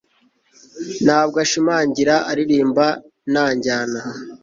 ntabwo ashimangira, aririmba nta njyana